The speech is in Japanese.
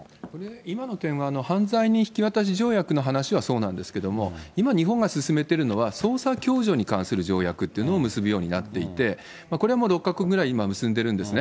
今の点は、犯罪人引き渡し条約の話はそうなんですけども、今、日本が進めてるのは、捜査共助に関する条約というのを結ぶようになっていて、これは６か国ぐらい、今、結んでるんですね。